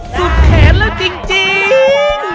สุดแขนละจริงจริง